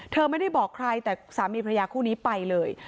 เธอไม่ได้บอกใครแต่สามีพระยาคู่นี้ไปเลย